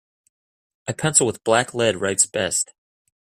A pencil with black lead writes best.